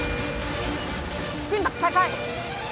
心拍再開！